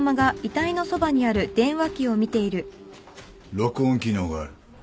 録音機能がある。